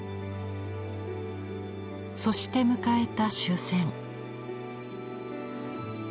そして迎えた終戦。